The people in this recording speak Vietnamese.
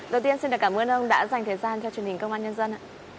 đầu tiên xin cảm ơn ông đã dành thời gian theo truyền hình công an nhân dân